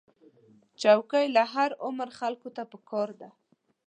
چوکۍ له هر عمر خلکو ته پکار ده.